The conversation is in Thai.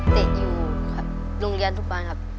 เตะอยู่โรงเรียนทุกบานครับ